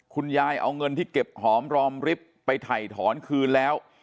ยายเอาเงินที่เก็บหอมรอมริบไปถ่ายถอนคืนแล้ว